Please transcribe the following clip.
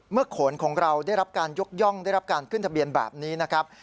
โขนของเราได้รับการยกย่องได้รับการขึ้นทะเบียนแบบนี้นะครับ